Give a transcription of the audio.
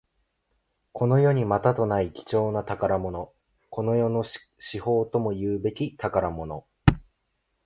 この世にまたとない貴重な宝物。この世の至宝ともいうべき宝玉。